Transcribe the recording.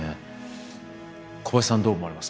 小林さんどう思われますか？